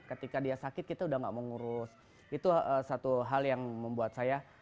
ketika dia sakit kita udah gak mau ngurus itu satu hal yang membuat saya